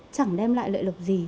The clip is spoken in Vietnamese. chẳng đem lại lợi lực gì